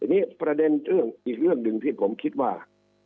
ทีนี้ประเด็นเรื่องอีกเรื่องหนึ่งที่ผมคิดว่า